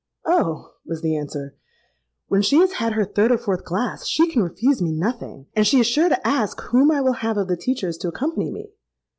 —'Oh!' was the answer, 'when she has had her third or fourth glass, she can refuse me nothing; and she is sure to ask whom I will have of the teachers to accompany me.'